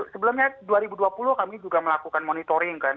sebelumnya dua ribu dua puluh kami juga melakukan monitoring kan